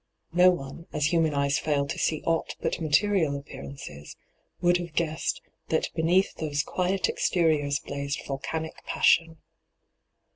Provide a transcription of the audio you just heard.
No one, as human eyes feil to see aught but material appearances, would have guessed that beneath those quiet exteriors blazed volcanic passion.